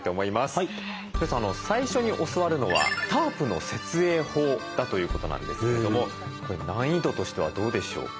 最初に教わるのはタープの設営法だということなんですけどもこれ難易度としてはどうでしょう？